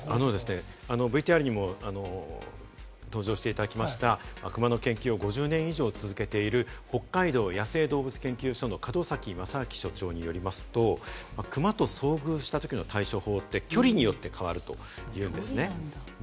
ＶＴＲにも登場していただきました、クマの研究を５０年以上続けている、北海道野生動物研究所の門崎允昭所長によりますと、クマと遭遇したときの対処法って距離によって変わるというんですね。